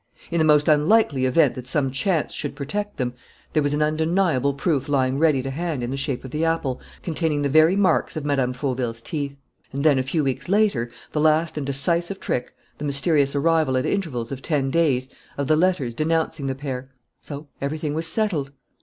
... In the most unlikely event that some chance should protect them, there was an undeniable proof lying ready to hand in the shape of the apple containing the very marks of Marie Fauville's teeth! And then, a few weeks later, the last and decisive trick, the mysterious arrival at intervals of ten days, of the letters denouncing the pair. So everything was settled.